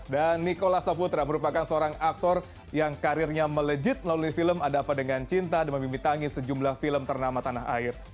dan nicholas saputra merupakan seorang aktor yang karirnya melejit melalui film ada apa dengan cinta demi bibi tangis sejumlah film ternama tanah air